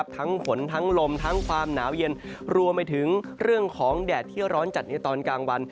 ทั้งฝนทั้งลมทั้งความหนาวเย็นรวมไปถึงเรื่องของแดดที่ร้อนจัดในตอนกลางวัน